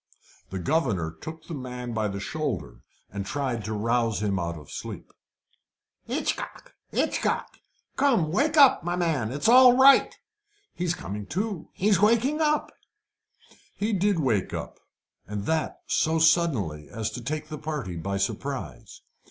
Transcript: The governor took the man by the shoulder, and tried to rouse him out of sleep. "Hitchcock! Hitchcock! Come, wake up, my man! It's all right; he's coming to he's waking up." He did wake up, and that so suddenly as to take the party by surprise.